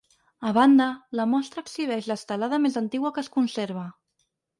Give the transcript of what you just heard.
A banda, la mostra exhibeix l’estelada més antiga que es conserva.